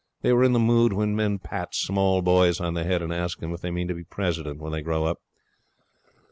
They were in the mood when men pat small boys on the head and ask them if they mean to be President when they grow up.